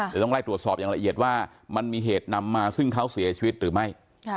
เดี๋ยวต้องไล่ตรวจสอบอย่างละเอียดว่ามันมีเหตุนำมาซึ่งเขาเสียชีวิตหรือไม่